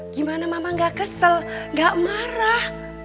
gimana mama gak kesel gak marah